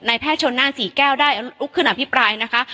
แพทย์ชนน่านศรีแก้วได้ลุกขึ้นอภิปรายนะคะ